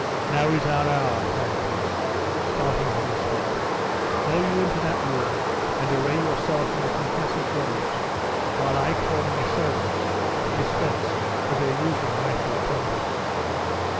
"Now is our hour," cried Bruce, starting on his feet; "go you into that room, and array yourself in the confessor's robes, while I call my servants to dispense with their usual nightly attendance."